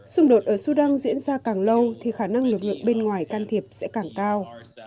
xung đột ở sudan diễn ra càng lâu thì khả năng lực lượng bên ngoài can thiệp sẽ càng cao